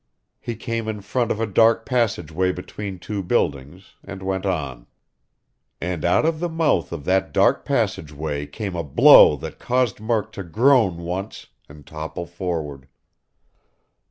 He came in front of a dark passageway between two buildings, and went on. And out of the mouth of that dark passageway came a blow that caused Murk to groan once and topple forward.